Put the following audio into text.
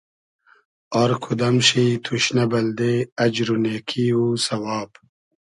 آر کودئم شی توشنۂ بئلدې اجر و نېکی و سئواب